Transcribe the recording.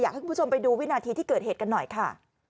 คุณผู้ชมไปดูวินาทีที่เกิดเหตุกันหน่อยค่ะ